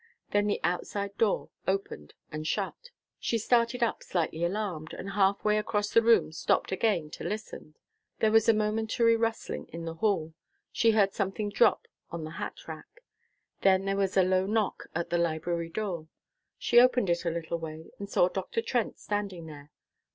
Then the outside door opened and shut. She started up slightly alarmed, and half way across the room stopped again to listen. There was a momentary rustling in the hall. She heard something drop on the hat rack. Then there was a low knock at the library door. She opened it a little way, and saw Dr. Trent standing there.